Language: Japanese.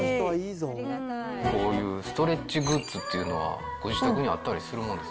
こういうストレッチグッズっていうのは、ご自宅にあったりするもんですか？